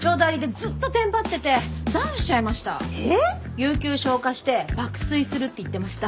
有休消化して爆睡するって言ってました。